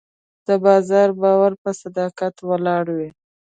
د بازار باور په صداقت ولاړ وي.